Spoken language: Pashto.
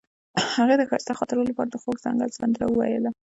هغې د ښایسته خاطرو لپاره د خوږ ځنګل سندره ویله.